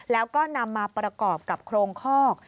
แล้วก็นำมาประกอบกับโครงคอก